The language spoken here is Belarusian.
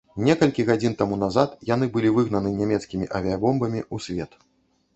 Некалькі гадзін таму назад яны былі выгнаны нямецкімі авіябомбамі ў свет.